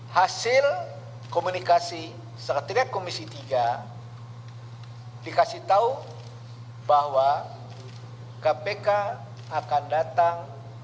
hasil komunikasi sekretariat komisi tiga dikasih tahu bahwa kpk akan datang